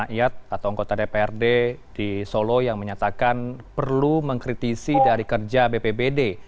karena tidak beran melakukan pengecekan